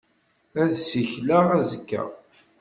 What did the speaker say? Ad ssikleɣ azekka.